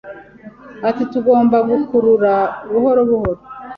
Ati Tugomba gukurura buhoro buhoro